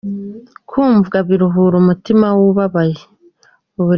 kumvwa biruhura umutima wubabaye